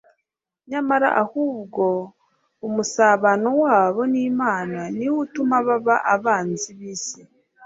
Nyamara ahubwo umusabano wabo n'Imana niwo utuma baba abanzi b'isi.